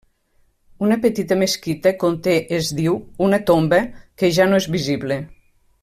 Una petita mesquita conté, es diu, una tomba, que ja no és visible.